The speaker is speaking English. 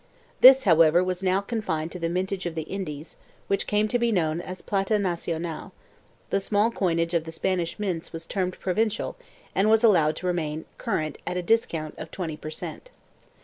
This however was now confined to the mintage of the Indies, which came to be known as plata national; the small coinage of the Spanish mints was termed provincial and was allowed to remain current at a discount of 20 per cent.